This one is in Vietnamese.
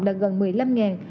là gần một mươi năm